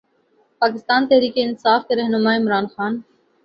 پاکستان تحریک انصاف کے رہنما عمران خان